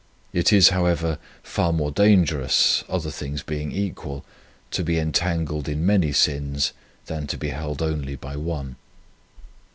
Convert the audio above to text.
It is, however, far more dangerous, other things being equal, to be entangled in many sins than to be held only by one.